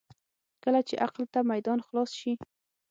کله چې عقل ته میدان خلاص شي.